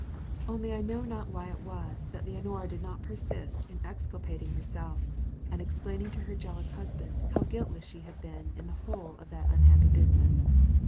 Only I know not why it was that Leonora did not persist in exculpating herself, and explaining to her jealous husband how guiltless she had been in the whole of that unhappy business.